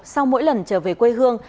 sau mỗi lần trở về quê hương